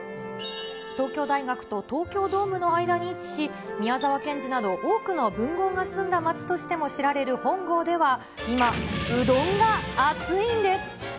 東京大学と東京ドームの間に位置し、宮沢賢治など、多くの文豪が住んだ街としても知られる本郷では、今、うどんが熱いんです。